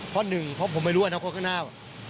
เพราะหนึ่งเพราะผมไม่รู้นะครับครับข้างหน้า